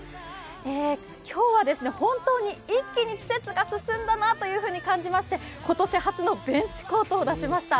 今日は本当に一気に季節が進んだなというふうに感じまして、今年初のベンチコートを出しました。